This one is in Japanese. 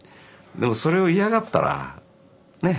でもそれを嫌がったらね？